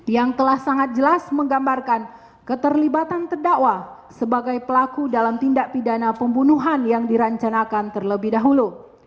yang telah sangat jelas menggambarkan keterlibatan terdakwa sebagai pelaku dalam tindak pidana pembunuhan yang dirancanakan terlebih dahulu